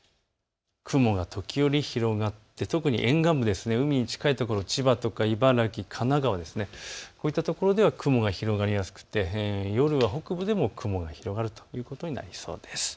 雲が時折、広がって特に沿岸部、海に近いところ千葉とか茨城、神奈川、こういったところでは雲が広がりやすくて夜は北部でも雲が広がるということになりそうです。